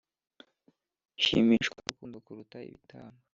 nshimishwa n’urukundo kuruta ibitambo,